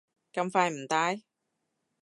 咁快唔戴？